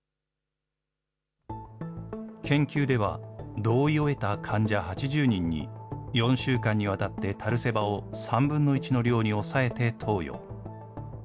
研究では、同意を得た患者８０人に、４週間にわたってタルセバを３分の１の量に抑えて投与。